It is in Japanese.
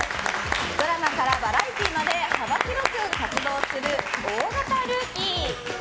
ドラマからバラエティーまで幅広く活動する大型ルーキー。